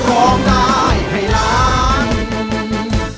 ไทยให้ร้าน